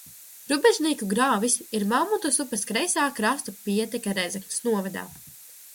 Rūbežnīku grāvis ir Malmutas upes kreisā krasta pieteka Rēzeknes novadā.